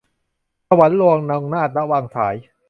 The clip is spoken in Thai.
สวรรค์ลวง - นงนาถ ณ วังสาย